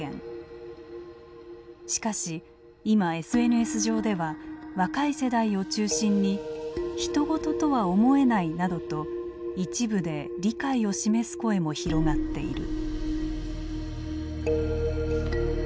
しかし今ＳＮＳ上では若い世代を中心に「ひとごととは思えない」などと一部で理解を示す声も広がっている。